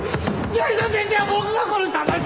成田先生は僕が殺したんです！